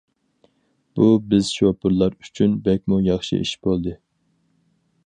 بۇ بىز شوپۇرلار ئۈچۈن بەكمۇ ياخشى ئىش بولدى.